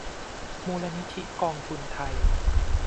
มูลนิธิกองทุนไทย